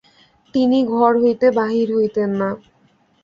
তিনি ঘর হইতে বাহির হইতেন না।